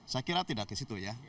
saya kira tidak ke situ ya